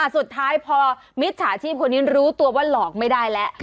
สุดท้ายพอมิจฉาชีพคนนี้รู้ตัวว่าหลอกไม่ได้แล้ว